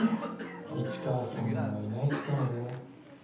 市川さんがいないっすからね。